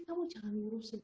kamu jangan mengurusin